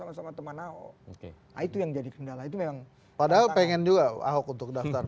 sama sama teman ahok itu yang jadi kendala itu memang padahal pengen juga ahok untuk daftar